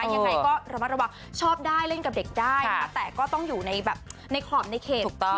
อย่างไรก็ระมัดระวังชอบได้เล่นกับเด็กได้แต่ก็ต้องอยู่ในขอบในเขต